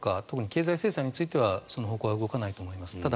特に経済制裁についてはその方向は動かないと思います。